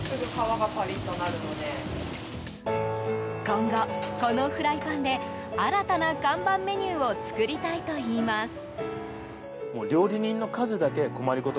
今後、このフライパンで新たな看板メニューを作りたいといいます。